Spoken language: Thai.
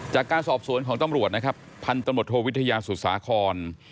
จากการสอบสวนของต้องรวชนะครับพันธรรมดโทวิทยาสุสาคอร์